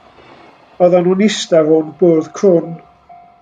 Oddan nhw'n ista rownd bwrdd crwn.